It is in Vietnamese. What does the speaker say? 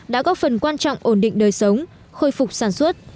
đã góp phần quan trọng ổn định đời sống khôi phục sản xuất